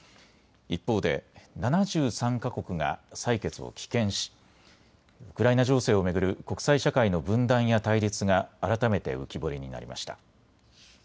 一方で７３か国が採決を棄権しウクライナ情勢を巡る国際社会の分断や対立が改めて浮き彫りになりました。